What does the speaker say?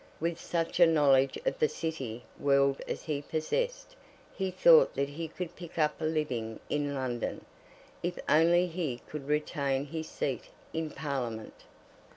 With such a knowledge of the City world as he possessed, he thought that he could pick up a living in London, if only he could retain his seat in Parliament.